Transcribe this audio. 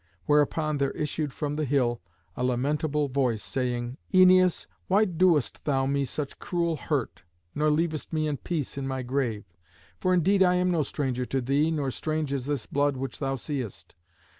Whereupon there issued from the hill a lamentable voice, saying, "Æneas, why doest thou me such cruel hurt, nor leavest me in peace in my grave? For indeed I am no stranger to thee, nor strange is this blood which thou seest.